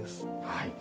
はい。